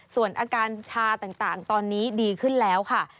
ส่วนอาการชาต่างตอนนี้ดีขึ้นแล้วค่ะ